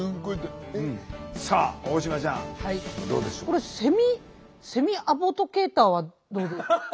これセミセミアドボケイターはどうでしょう？